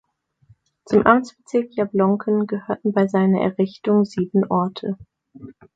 Zum Amtsbezirk Jablonken gehörten bei seiner Errichtung sieben Orte.